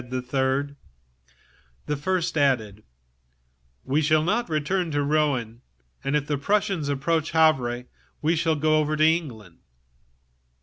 The first speaker added: "We shall not return to Rouen, and if the Prussians approach Havre we will cross to England."